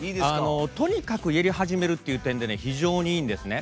とにかくやり始めるっていう点で非常にいいんですね。